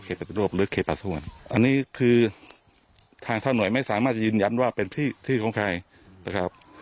ปฏิรูปหรือเขตประสงวนอันนี้คือทางถ้าหน่วยไม่สามารถจะยืนยันว่าเป็นที่ที่ของใครนะครับ